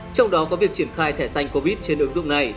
trong đó có việc triển khai thẻ xanh covid trên ứng dụng này